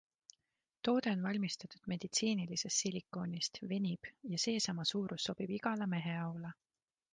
Toode on valmistatud meditsiinilisest silikoonist, venib ja seesama suurus sobib igale meheaule.